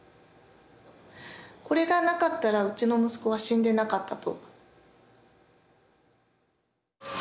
これがなかったらうちの息子は死んでなかったと。